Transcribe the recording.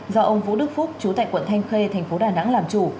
do ông vũ đức phúc chú tại quận thanh khê tp đà nẵng làm chủ